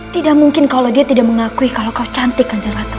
tidak mungkin kalau dia tidak mengakui kalau kau cantik aja ratu